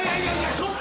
ちょっと！